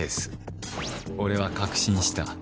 俺は確信した。